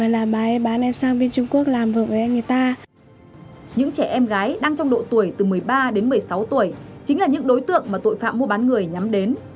những trẻ em gái đang trong độ tuổi từ một mươi ba đến một mươi sáu tuổi chính là những đối tượng mà tội phạm mua bán người nhắm đến